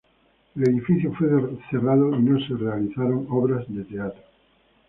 El edificio fue cerrado y no se realizaron obras de teatro.